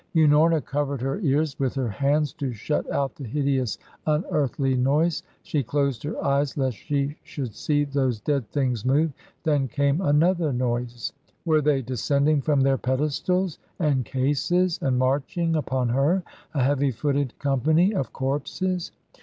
Unorna covered her ears with her hands to shut out the hideous, unearthly noise. She closed her eyes lest she should see those dead things move. Then came another noise. Were they descending from their pedestals and cases and marching upon her, a heavy footed company of corpses?